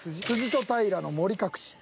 「辻と平良の森隠し」。